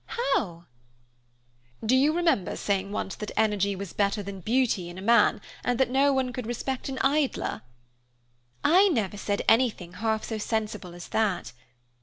How?" "Do you remember saying once that energy was better than beauty in a man, and that no one could respect an idler?" "I never said anything half so sensible as that.